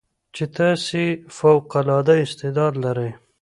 چې تاسې فوق العاده استعداد لرٸ